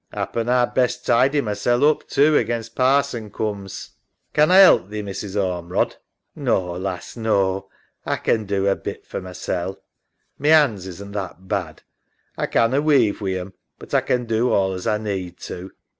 Happen A'd best tidy masel' up too against Parson cooms. EMMA. Can A help thee, Mrs. Ormerod? SARAH. No, lass, no. A can do a bit for masel'. My 'ands isn't that bad. A canna weave wi' 'em, but A can do all as A need to.